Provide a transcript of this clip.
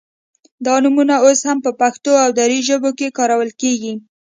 دا نومونه اوس هم په پښتو او دري ژبو کې کارول کیږي